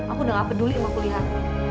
aku udah gak peduli sama kuliah